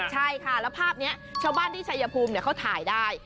ใช่ค่ะแล้วภาพนี้ชาวบ้านที่ชัยภูมิเขาถ่ายได้